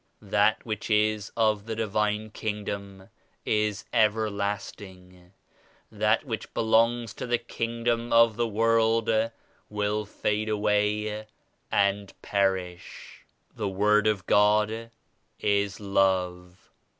79 That which is of the Divine Kingdom is ever lasting; that which belongs to the kingdom of the world will fade away and perish." "The Word of God is Love.